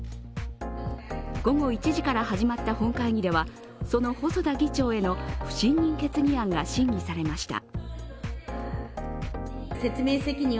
午後１時から始まった本会議では、その細田議長への不信任決議案が審議されました。